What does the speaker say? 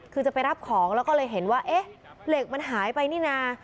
คือจะไปรับของแล้วก็เลยเห็นว่าเอ๊ะเหล็กมันหายไปนี่นะ